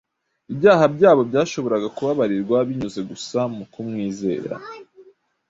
Ibyaha byabo byashoboraga kubabarirwa binyuze gusa mu kumwizera.